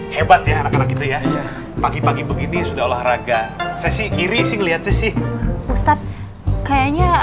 hebat ya pagi pagi begini sudah olahraga sesi iri sih ngeliatnya sih ustadz kayaknya